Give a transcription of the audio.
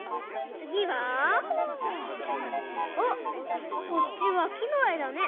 つぎはあっこっちはきのえだね。